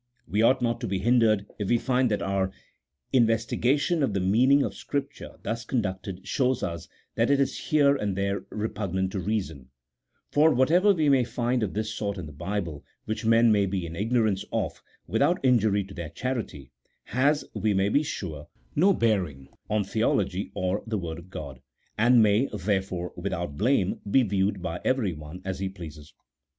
We ought not to be hindered if we find that our investi gation of the meaning of Scripture thus conducted shows us that it is here and there repugnant to reason ; for what ever we may find of this sort in the Bible, which men may be in ignorance of, without injury to their charity, has, we may be sure, no bearing on theology or the Word of God, and may, therefore, without blame, be viewed by every one as he pleases.